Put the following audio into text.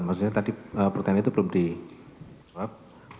maksudnya tadi pertanyaan itu belum disuap